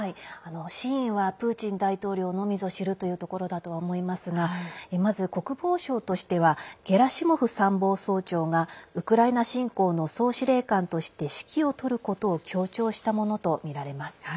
真意はプーチン大統領のみぞ知るところだとは思いますがまず、国防省としてはゲラシモフ参謀総長がウクライナ侵攻の総司令官として指揮を執ることを強調したものとみられます。